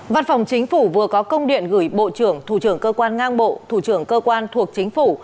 văn phòng chính phủ vừa có công điện gửi bộ trưởng thủ trưởng cơ quan ngang bộ thủ trưởng cơ quan thuộc chính phủ